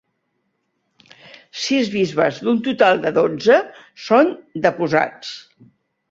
Sis bisbes d'un total de dotze són deposats.